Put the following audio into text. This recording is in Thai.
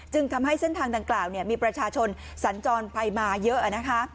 จึงทำให้เส้นทางดังกล่าวมีประชาชนสัญจรภัยมาเยอะ